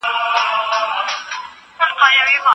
د ميرويس خان نيکه د پلار نوم څه و؟